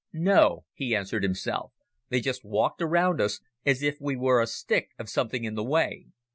"No," he answered himself. "They just walked around us as if we were a stick of something in the way.